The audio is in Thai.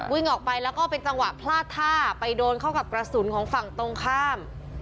วิ่งออกไปแล้วก็เป็นจังหวะพลาดท่าไปโดนเข้ากับกระสุนของฝั่งตรงข้าม